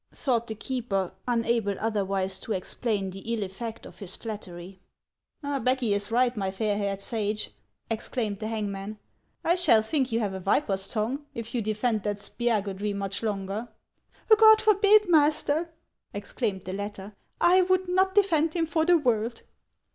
thought the keeper, unable otherwise to explain the ill effect of his flattery. " Becky is right, my fair haired sage," exclaimed the hangman. "I shall think you have a viper's tongue, if you defend that Spiagudry much longer." " God forbid, master !" exclaimed the latter ;" I would not defend him for the world."